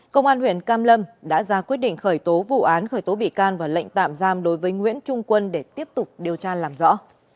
công an huyện cam lâm đã ra quyết định khởi tố vụ án khởi tố bị can và lệnh tạm giam đối với nguyễn trung quân để tiếp tục điều tra làm rõ